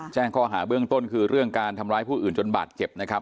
แจ้งข้อหาเบื้องต้นคือเรื่องการทำร้ายผู้อื่นจนบาดเจ็บนะครับ